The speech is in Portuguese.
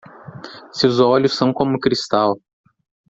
Seus olhos são como cristal